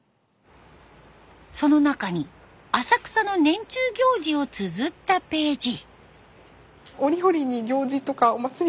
その中に浅草の年中行事をつづったページ。